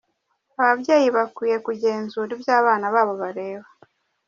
Ababyeyi bakwiye kugenzura ibyo abana babo bareba.